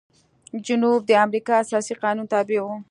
جنوب د امریکا اساسي قانون تابع و.